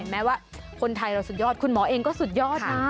แม้ว่าคนไทยเราสุดยอดคุณหมอเองก็สุดยอดนะ